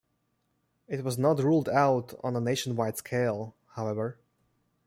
It was not rolled out on a nationwide scale, however.